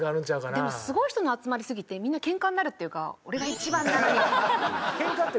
でもすごい人の集まりすぎてみんなケンカになるっていうか俺が一番だみたいな。